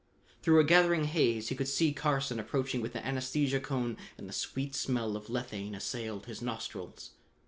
Through a gathering haze he could see Carson approaching with an anesthesia cone and the sweet smell of lethane assailed his nostrils.